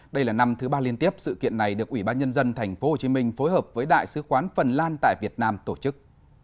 đây là năm thứ ba liên tiếp sự kiện này được ủy ban nhân dân tp hcm phối hợp với đại sứ quán phần lan tại việt nam tổ chức